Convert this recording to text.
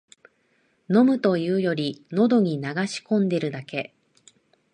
飲むというより、のどに流し込んでるだけ